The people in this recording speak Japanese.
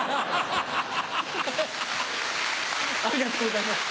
ありがとうございます。